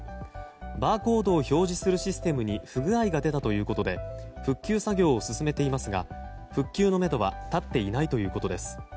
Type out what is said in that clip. バーコードを表示するシステムに不具合が出たということで復旧作業を進めていますが復旧のめどは立っていないということです。